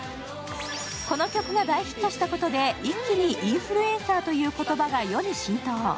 この曲が大ヒットしたことで一気に「インフルエンサー」という言葉が世に浸透。